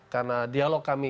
karena dialog kami